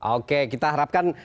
oke kita harapkan